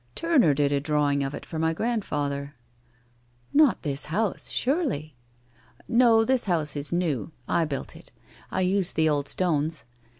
1 Turner did a drawing of it for mv grandfather.' 1 Xot this house, surely? ' 1 No, this house is new. I built it. I used the old stones.